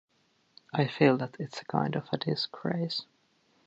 I feel that it’s kind of a disgrace.